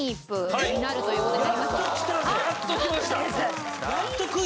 やっと来ました！